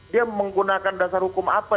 dia menggunakan dasar hukum apa